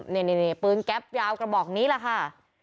เห็นปืนแก๊บยาวกระบอกนี้ล่ะค่ะ